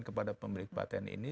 kepada pemilik patent ini